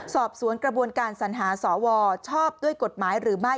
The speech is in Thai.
สอบสวนกระบวนการสัญหาสวชอบด้วยกฎหมายหรือไม่